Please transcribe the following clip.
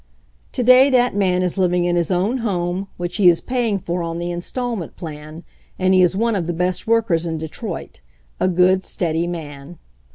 To day that man is living in his own home which he is paying for on the installment plan, and he is one of the best workers in Detroit, a good, steady man.